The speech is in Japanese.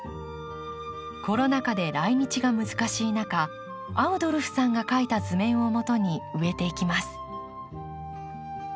コロナ禍で来日が難しい中アウドルフさんが描いた図面をもとに植えていきます。